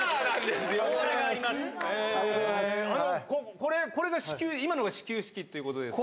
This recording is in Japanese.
これ、これが、今のが始球式っていうことですか？